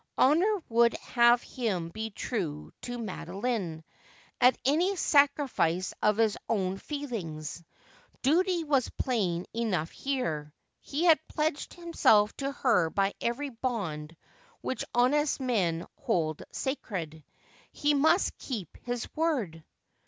Honour would have him be true to Madoline, at any sacrifice of his own feel ings. Duty was plain enough here. He had pledged himself to her by every bond which honest men hold sacred. He must keep his word.